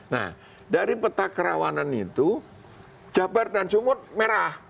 nah dari peta kerawanan itu jabar dan sumut merah